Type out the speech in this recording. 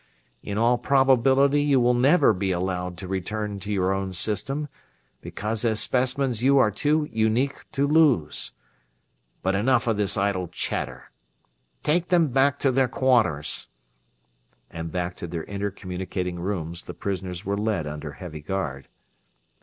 In all probability you will never be allowed to return to your own system, because as specimens you are too unique to lose. But enough of this idle chatter take them back to their quarters!" And back to their inter communicating rooms the prisoners were led under heavy guard.